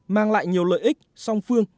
mang lại nhiều lợi ích song phương